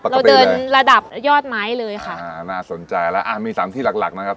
เราเดินระดับยอดไม้เลยค่ะอ่าน่าสนใจแล้วอ่ะมีสามที่หลักหลักนะครับ